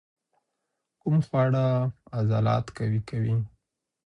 کوم خواړه عضلات قوي کوي؟